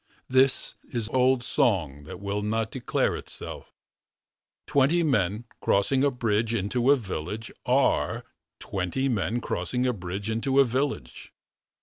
This is old song That will not declare itself ... Twenty men crossing a bridge. Into a village. Are Twenty men crossing a bridge Into a village.